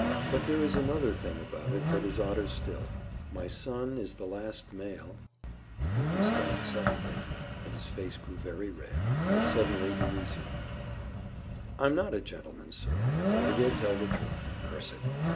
But there is another thing about it that is odder still; my son is the last male"— Here he stopped suddenly, and his face grew very red. As suddenly he resumed— "I'm not a gentleman, sir; but I will tell the truth. Curse it!